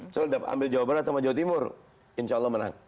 coba ambil jawa barat sama jawa timur insya allah menang